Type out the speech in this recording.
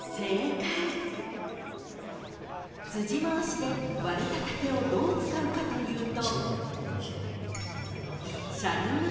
［辻廻しで割れた竹をどう使うかというと］